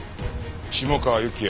下川由紀哉。